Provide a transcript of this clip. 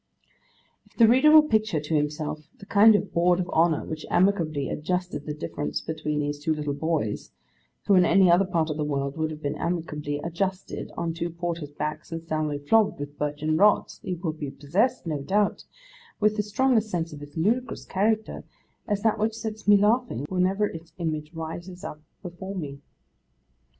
If the reader will picture to himself the kind of Board of Honour which amicably adjusted the difference between these two little boys, who in any other part of the world would have been amicably adjusted on two porters' backs and soundly flogged with birchen rods, he will be possessed, no doubt, with as strong a sense of its ludicrous character, as that which sets me laughing whenever its image rises up before me.